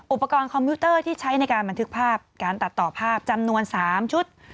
คอมพิวเตอร์ที่ใช้ในการบันทึกภาพการตัดต่อภาพจำนวน๓ชุด